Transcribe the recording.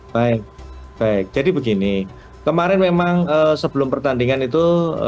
baik baik jadi begini kemarin memang sebelum pertandingan itu